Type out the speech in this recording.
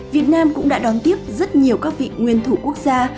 việt nam cũng đã đón tiếp rất nhiều các vị nguyên thủ quốc gia